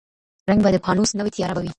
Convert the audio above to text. رنګ به د پانوس نه وي تیاره به وي